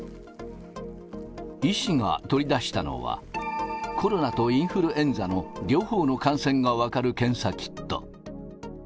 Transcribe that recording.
医師が取り出したのは、コロナとインフルエンザの両方の感染が分かる検査キット。